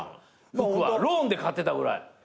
服はローンで買ってたぐらい。